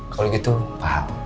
kalau gitu paham